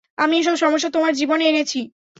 আমি এসব সমস্যা তোমার জীবনে এনেছি।